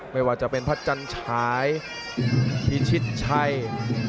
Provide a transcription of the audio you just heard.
ไม่ว่าจะเป็นพัฒนชายมีความใช้เจียน